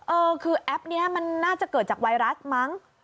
เออคือแอปนี้มันน่าจะเกิดจากไวรัสมั้ง